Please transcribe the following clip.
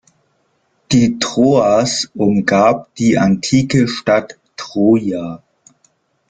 Die Troas umgab die antike Stadt Troja.